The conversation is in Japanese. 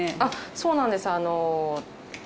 そうなんです